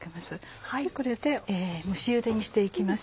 これで蒸しゆでにして行きます。